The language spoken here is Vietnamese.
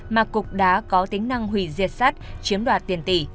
mà cục đá có tính năng hủy diệt sắt chiếm đoạt tiền tỷ